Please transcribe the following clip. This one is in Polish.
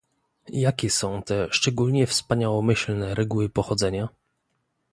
Jakie są te szczególnie wspaniałomyślne reguły pochodzenia?